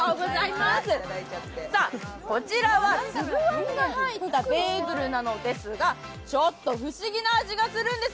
さあ、こちらはつぶ餡が入ったベーグルなんですが、ちょっと不思議な味がするんです。